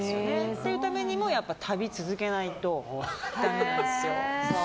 そういうためにも旅を続けないとダメなんですよ。